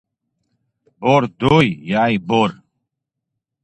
Бор дой, яй бор.